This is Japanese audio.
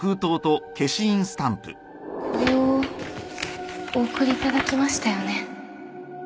これをお送りいただきましたよね？